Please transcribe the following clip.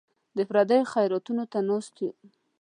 د پردیو خیراتونو ته ناست یو.